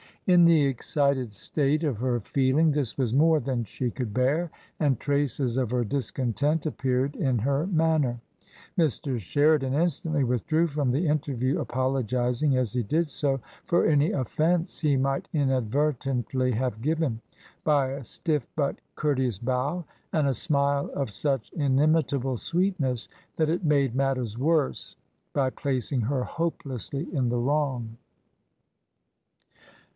In the excited state of her feeling this was more than she could bear, and traces of her discontent appeared in her manner; Mr. Sheridan instantly withdrew from the interview, apologizing, as he did so, for any offence he might inadvertently have given, by a stiff but cour teous bow, and a smile of such inimitable sweetness that it made matters worse by placing her hopelessly in the wrong.